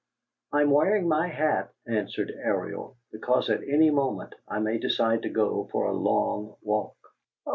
"I am wearing my hat," answered Ariel, "because at any moment I may decide to go for a long walk!"